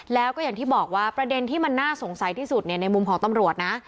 แล้วก็อย่างที่บอกว่าประเด็นที่มันน่าสงสัยที่สุดในมุมของตำรวจนะ